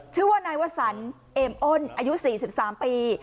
ชื่อว่านายวศรเอ่มอ้นปีอายุสี่สิบสามปี